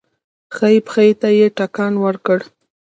ښی پښې ته يې ټکان ورکړ.